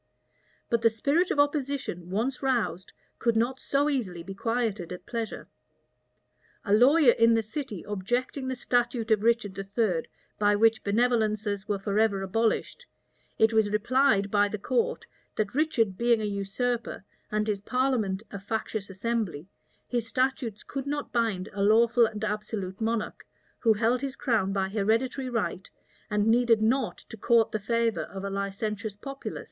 But the spirit of opposition, once roused, could not so easily be quieted at pleasure. A lawyer in the city objecting the statute of Richard III., by which benevolences were forever abolished, it was replied by the court, that Richard being a usurper, and his parliament a factious assembly, his statutes could not bind a lawful and absolute monarch, who held his crown by hereditary right, and needed not to court the favor of a licentious populace.